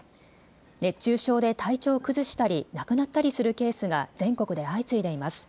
熱中症で体調を崩したり亡くなったりするケースが全国で相次いでいます。